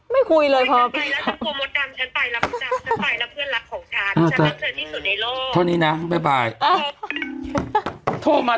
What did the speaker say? ไปไหว้ฟ้าคุณหญิงไปไหว้ฟ้า